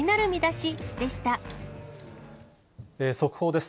速報です。